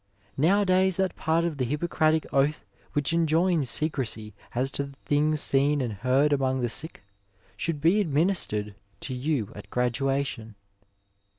Nowadays that part of the Hippocratic oath which enjoins secrecy as to the things seen and heard among the sick, should be administered to you at graduation.